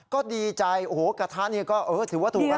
ก็ดีใจโอ้โหกระทะนี่ก็ถือว่าถูกแล้ว